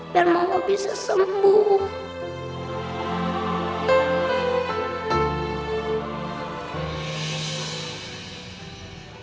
biar mama bisa sembuh